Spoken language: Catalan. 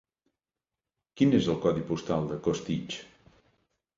Quin és el codi postal de Costitx?